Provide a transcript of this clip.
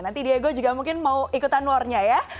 nanti diego juga mungkin mau ikutan warnya ya